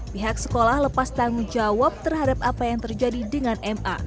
pihak sekolah lepas tanggung jawab terhadap apa yang terjadi dengan ma